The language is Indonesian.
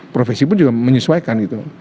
profesi pun juga menyesuaikan gitu